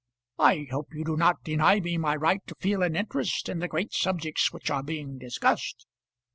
I hope you do not deny me my right to feel an interest in the great subjects which are being discussed."